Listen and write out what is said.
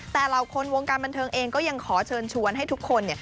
แต่เหล่าคนวงการบันเทิงเองก็ยังขอเชิญชวนให้ทุกคน